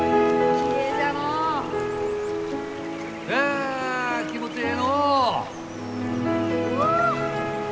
あ気持ちええのう！